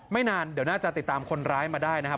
นานเดี๋ยวน่าจะติดตามคนร้ายมาได้นะครับ